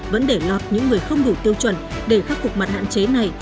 vẫn để lọt những người không đủ tiêu chuẩn để khắc phục mặt hạn chế này